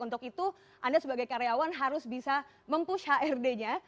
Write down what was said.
untuk itu anda sebagai karyawan harus bisa mempush hrd nya